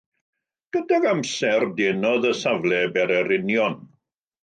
Gydag amser, denodd y safle bererinion.